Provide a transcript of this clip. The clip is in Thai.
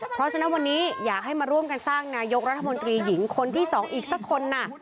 เพราะฉะนั้นวันนี้อยากให้มาร่วมกันสร้างนายกรัฐมนตรีหญิงคนที่๒อีกสักคนน่ะ